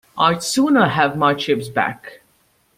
I'd sooner have my chips back.